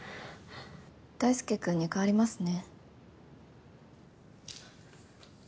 大輔君に代わりますね。